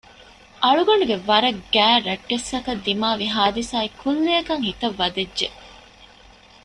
އަޅުގަނޑުގެ ވަރަށް ގާތް ރައްޓެއްސަކަށް ދިމާވި ހާދިސާއެއް ކުއްލިއަކަށް ހިތަށް ވަދެއްޖެ